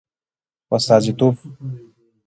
په استازیتوب